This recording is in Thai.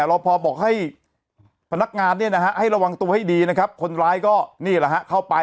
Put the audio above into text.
ยังไงยังไงยังไงยังไงยังไงยังไงยังไงยังไงยังไง